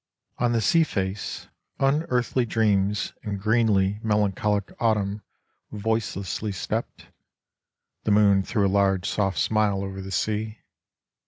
On the sea face unearthly dreams And greenly melancholic autumn voicelessly stepped ; The moon threw a large soft smile over the sea.